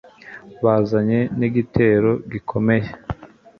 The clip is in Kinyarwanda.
bazanye n'igitero gikomeye